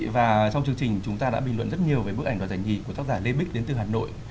và trong chương trình chúng ta đã bình luận rất nhiều về bức ảnh đoạt giải nhì của tác giả lê bích đến từ hà nội